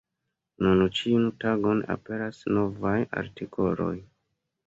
Nun ĉiun tagon aperas novaj artikoloj.